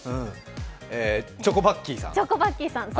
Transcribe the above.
チョコバッキーさん！